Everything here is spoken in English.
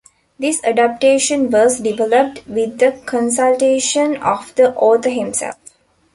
This adaptation was developed with the consultation of the author himself.